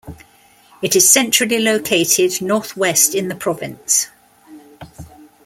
It is centrally located north-west in the province.